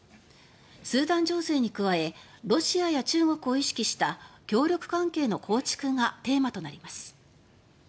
スーダン情勢に加えロシアや中国を意識した協力関係の構築がテーマとなります。